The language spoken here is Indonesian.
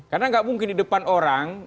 karena gak mungkin di depan orang